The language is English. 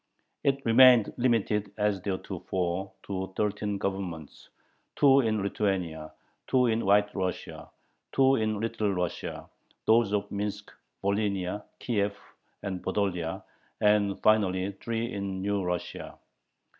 It remained limited as theretofore to thirteen Governments: two in Lithuania, two in White Russia, two in Little Russia, those of Minsk, Volhynia, Kiev, and Podolia, and finally three in New Russia.